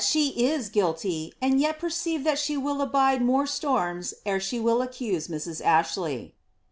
BLIIABBTH* 31 ifae is guilty^ and yet perceive that she will abide more stonns ere she will accuse Mrs. Ashley.''